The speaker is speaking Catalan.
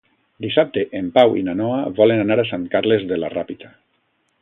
Dissabte en Pau i na Noa volen anar a Sant Carles de la Ràpita.